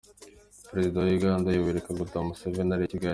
Perezida wa Uganda, Yoweri Kaguta Museveni ari i Kigali.